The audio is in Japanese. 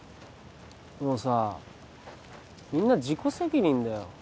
もうさみんな自己責任だよ